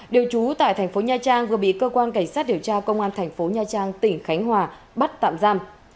đều trú tại tp nha trang vừa bị cơ quan cảnh sát điều tra công an tp nha trang tỉnh khánh hòa bắt tạm giam